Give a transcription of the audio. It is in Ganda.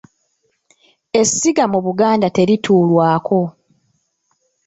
Essiga mu Buganda terituulwako.